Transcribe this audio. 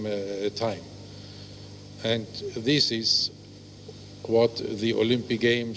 dan inilah hal yang berkaitan dengan olimpiade